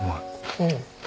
うん。